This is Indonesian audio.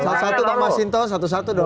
satu satu bang mas hinton satu satu dong